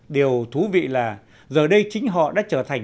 điều thú vị là giờ đây chính họ đã trở thành